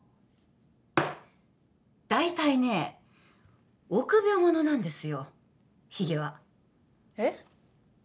大体ね臆病者なんですよヒゲはえっ？